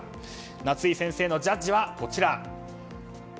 夏井先生のジャッジはこちら。